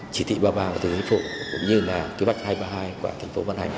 chỉ thị ba mươi ba của thủ tướng huyện phụ cũng như là kế hoạch hai trăm ba mươi hai của thành phố văn hành